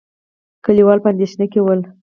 کليوال په اندېښنه کې ول.